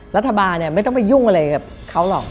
รัฐบาลไม่ต้องไปยุ่งอะไรกับเขาหรอก